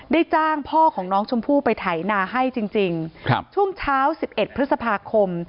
จ้างพ่อของน้องชมพู่ไปไถนาให้จริงช่วงเช้า๑๑พฤษภาคม